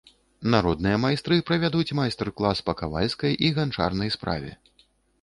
Народныя майстры правядуць майстар-клас па кавальскай і ганчарнай справе.